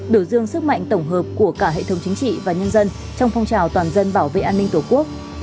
biểu dương sức mạnh tổng hợp của cả hệ thống chính trị và nhân dân trong phong trào toàn dân bảo vệ an ninh tổ quốc